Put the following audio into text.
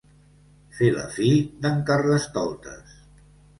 Fer la fi d'en Carnestoltes.